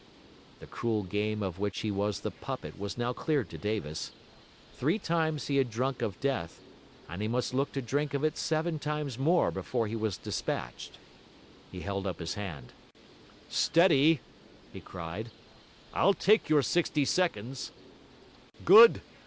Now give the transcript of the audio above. The cruel game of which he was the puppet was now clear to Davis; three times he had drunk of death, and he must look to drink of it seven times more before he was despatched. He held up his hand. 'Steady!' he cried; 'I'll take your sixty seconds.' 'Good!'